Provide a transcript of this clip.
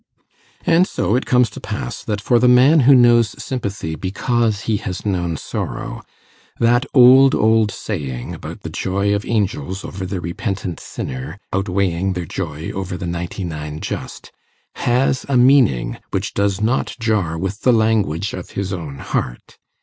And so it comes to pass that for the man who knows sympathy because he has known sorrow, that old, old saying about the joy of angels over the repentant sinner outweighing their joy over the ninety nine just, has a meaning which does not jar with the language of his own heart.